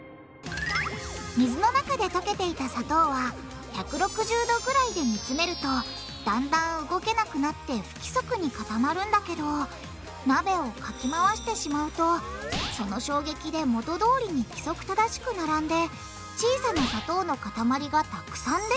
水の中で溶けていた砂糖は１６０℃ぐらいで煮つめるとだんだん動けなくなって不規則に固まるんだけど鍋をかきまわしてしまうとその衝撃で元どおりに規則正しく並んで小さな砂糖の塊がたくさんできてしまう。